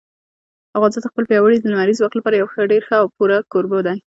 افغانستان د خپل پیاوړي لمریز ځواک لپاره یو ډېر ښه او پوره کوربه دی.